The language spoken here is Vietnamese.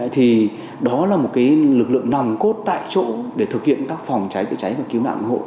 thì đó là một cái lực lượng nằm cốt tại chỗ để thực hiện các phòng cháy cháy và cứu nạn hộ